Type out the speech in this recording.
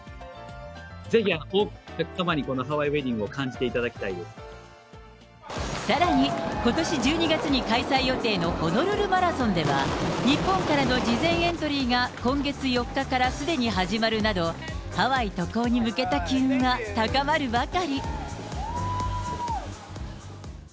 ぜひ多くのお客様に、このハワイウエディングを感じていただきたさらに、ことし１２月に開催予定のホノルルマラソンでは、日本からの事前エントリーが、今月４日からすでに始まるなど、ハワイ渡航に向けた機運は高まるばかり。